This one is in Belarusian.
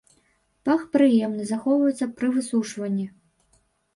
Пах прыемны, захоўваецца пры высушванні.